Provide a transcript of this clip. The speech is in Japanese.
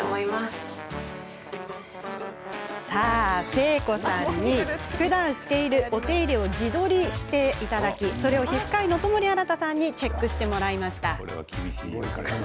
誠子さんにふだんしているお手入れを自撮りしてもらいそれを皮膚科医の友利新さんにチェックしてもらいました。